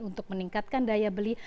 untuk meningkatkan daya beli